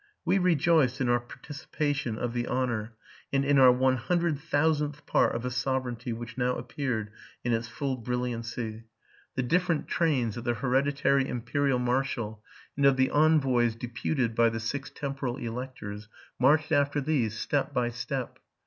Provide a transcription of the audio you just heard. We rejoiced in our participation of the honor, and in our one hundred thousandth part of a sovereignty which now appeared in its full brilliancy. The different trains of the hereditary imperial marshal, and of the envoys deputed by the six temporal electors, marched after these step by step.